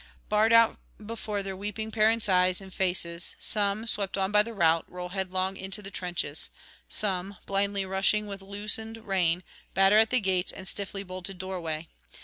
Barred out before their weeping parents' eyes and faces, some, swept on by the rout, roll headlong into the trenches; some, blindly rushing with loosened rein, batter at the gates and stiffly bolted doorway.